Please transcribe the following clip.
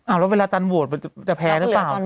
แล้วเวลาจันทร์โหวตมันจะแพ้หรือเปล่า